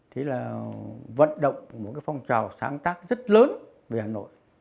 thế là vận động một cái phong trào sáng tác rất lớn về hà nội